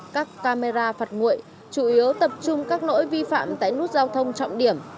các camera phạt nguội chủ yếu tập trung các lỗi vi phạm tại nút giao thông trọng điểm